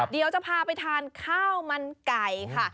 เดี๋ยวจะพาไปทานข้าวมันไก่ค่ะ